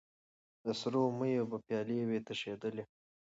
د سرو میو به پیالې وې تشېدلې